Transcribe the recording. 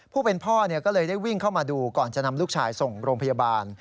ผู้เป็นพ่อก็เลยได้วิ่งเข้ามาดูก่อนจะนำลูกชายส่งโรงพยาบาล